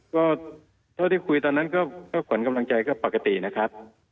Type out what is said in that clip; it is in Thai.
พูดขึ้นกันความกำลังใจพกตินะครับ